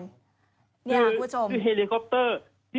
นี่คุณผู้ชมคือแฮลิคอปเตอร์